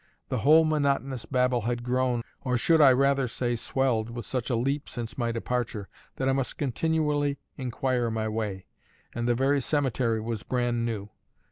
The whole monotonous Babel had grown, or I should rather say swelled, with such a leap since my departure, that I must continually inquire my way; and the very cemetery was brand new.